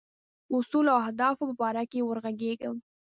اصولو او اهدافو په باره کې وږغېږم.